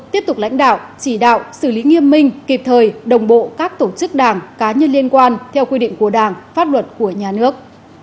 tiếp tục lãnh đạo chỉ đạo xử lý nghiêm minh kịp thời đồng bộ các tổ chức đảng cá nhân liên quan theo quy định của đảng pháp luật của nhà nước